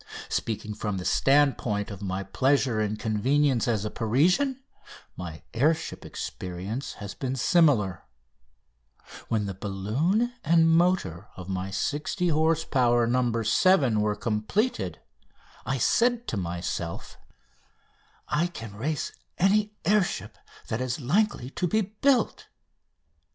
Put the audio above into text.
Speaking from the standpoint of my pleasure and convenience as a Parisian my air ship experience has been similar. When the balloon and motor of my 60 horse power "No. 7" were completed I said to myself: [Illustration: "SANTOS DUMONT No. 9"] "I can race any air ship that is likely to be built!"